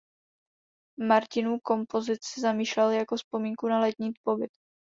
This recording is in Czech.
Martinů kompozici zamýšlel jako vzpomínku na letní pobyt.